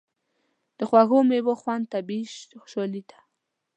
د خوږو میوو خوند طبیعي خوشالي ده.